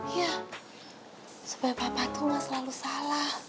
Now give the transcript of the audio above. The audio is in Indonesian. iya supaya papa tuh gak selalu salah